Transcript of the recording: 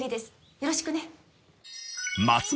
よろしくね。